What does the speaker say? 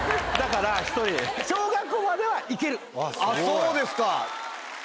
そうですか！